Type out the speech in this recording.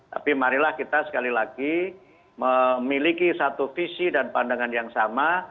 tapi marilah kita sekali lagi memiliki satu visi dan pandangan yang sama